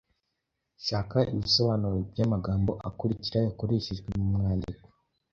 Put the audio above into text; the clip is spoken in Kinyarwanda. Shaka ibisobanuro by’amagambo akurikira yakoreshejwe mu mwandik